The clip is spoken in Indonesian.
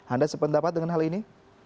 anda sependapat dengan hal ini